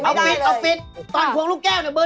ไม่ได้เลยเอาฟิตตอนพวงลูกแก้วเนี่ยเบอร์๑